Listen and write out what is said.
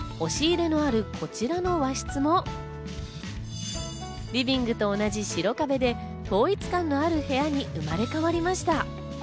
押し入れのあるこちらの和室も、リビングと同じ白壁で、統一感のある部屋に生まれ変わりました。